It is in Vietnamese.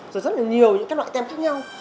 rồi rất là nhiều những loại tem khác nhau